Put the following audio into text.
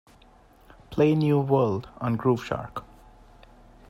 Play New World on groove shark